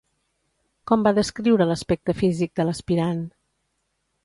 Com va descriure l'aspecte físic de l'aspirant?